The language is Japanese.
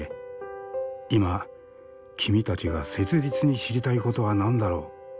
今君たちが切実に知りたいことは何だろう？